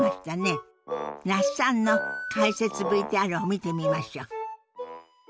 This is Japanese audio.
那須さんの解説ＶＴＲを見てみましょう。